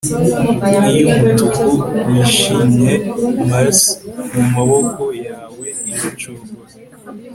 Iyo umutuku wishimye Mars mumaboko yawe iracogora